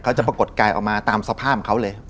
จะปรากฏกายออกมาตามสภาพเขาเลย